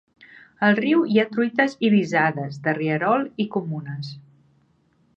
Al riu hi ha truites irisades, de rierol i comunes.